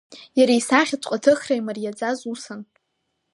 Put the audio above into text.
Иара исахьаҵәҟьа аҭыхра имариаӡаз усын…